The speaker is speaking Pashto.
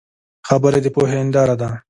خبرې د پوهې هنداره ده